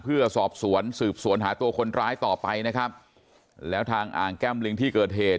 เพื่อสอบสวนสืบสวนหาตัวคนร้ายต่อไปนะครับแล้วทางอ่างแก้มลิงที่เกิดเหตุ